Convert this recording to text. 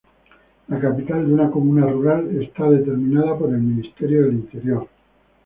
La capital de una comuna rural es determinada por el Ministerio del Interior.